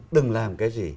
đừng làm cái gì